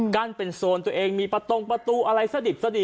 เป็นโซนตัวเองมีประตงประตูอะไรสะดิบสดี